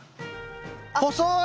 細い！